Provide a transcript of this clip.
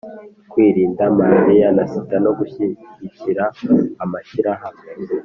kwirinda malaria na sida no gushyigikira amashyirahamwe